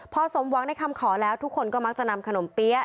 พอสมหวังในคำขอแล้วทุกคนก็มักจะนำขนมเปี๊ยะ